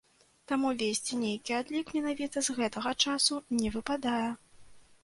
Таму весці нейкі адлік менавіта з гэтага часу не выпадае.